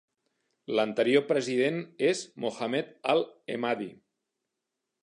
L'anterior President és Mohammed Al Emadi.